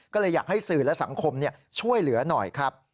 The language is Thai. ก็เลยอยากให้สื่อและสังคมช่วยเหลือหน่อยครับ